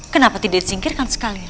kenapa tidak disingkirkan sekali